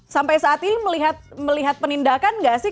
sampai saat ini melihat penindakan nggak sih